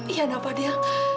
iya bapak ya